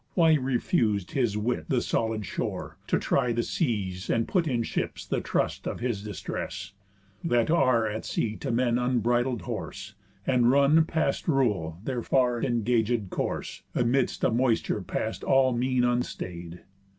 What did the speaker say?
Why refus'd His wit the solid shore, to try the seas, And put in ships the trust of his distress, That are at sea to men unbridled horse, And run, past rule, their far engagéd course, Amidst a moisture past all mean unstaid?